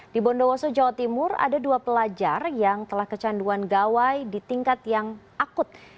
di bondowoso jawa timur ada dua pelajar yang telah kecanduan gawai di tingkat yang akut